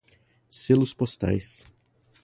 selos postais